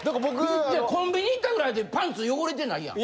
コンビニ行ったぐらいでパンツ汚れてないやん。